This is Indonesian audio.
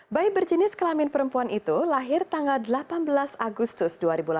bayi berjenis kelamin perempuan itu lahir tanggal delapan belas agustus dua ribu delapan belas